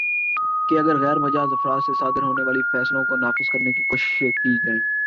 کہ اگرغیر مجاز افراد سے صادر ہونے والے فیصلوں کو نافذ کرنے کی کوشش کی جائے